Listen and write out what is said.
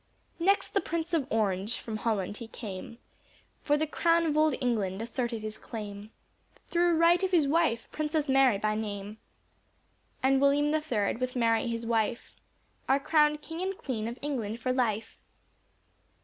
Next the Prince of Orange, (from Holland he came,) For the crown of old England, asserted his claim Through right of his wife, Princess Mary by name. And William the third with Mary his wife Are crowned King and Queen of England for life.